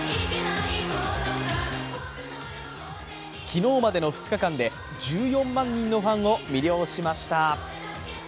昨日までの２日間で１４万人のファンを魅了しました。